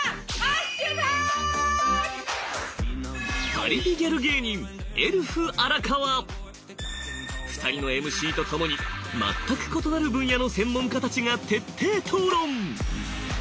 パリピギャル芸人２人のＭＣと共に全く異なる分野の専門家たちが徹底討論！